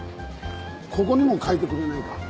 ここにも描いてくれないか？